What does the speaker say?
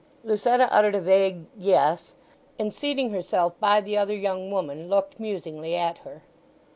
Lucetta uttered a vague "Yes," and seating herself by the other young woman looked musingly at her.